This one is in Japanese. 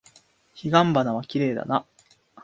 彼岸花はきれいだな。